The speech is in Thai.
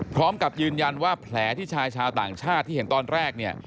พร้อมกับยืนยันว่าแผลที่ชายชาวต่างชาติที่เห็นตอนแรกเนี่ย